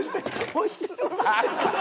押してる。